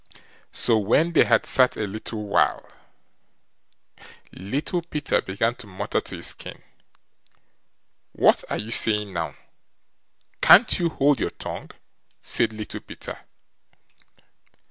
So, when they had sat a while, Little Peter began to mutter to his skin: "What are you saying now? can't you hold your tongue", said Little Peter.